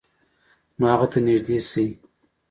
نو هغه ته نږدې شئ،